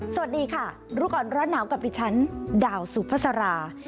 สวัสดีรุ้วกรรมรั้นหนาวกับดิฉันดาวสุพษรา